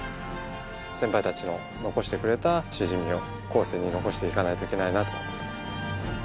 先輩たちの残してくれたしじみを後世に残していかないといけないなと思ってます。